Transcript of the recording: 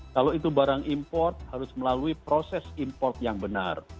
kalau itu barang import harus melalui proses import yang benar